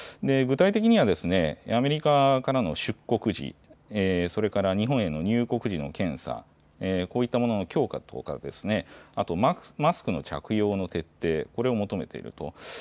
具体的には、アメリカからの出国時、それから日本への入国時の検査、こういったことの強化とかですね、あとマスクの着用の徹底、これを求めていると。